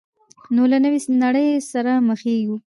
نو له نوې نړۍ سره مخېږو.